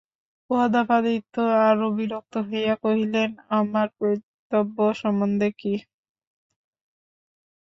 প্রতাপাদিত্য আরও বিরক্ত হইয়া কহিলেন, আমার পিতৃব্য সম্বন্ধে কী?